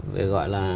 về gọi là